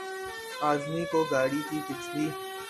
اعظمی کو گاڑی کی پچھلی